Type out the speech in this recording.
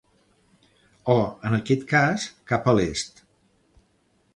O, en aquest cas, cap a l’est.